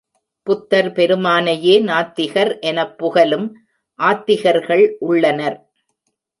புத்தர் பெருமானையே நாத்திகர் எனப் புகலும் ஆத்திகர்கள் உள்ளனர்.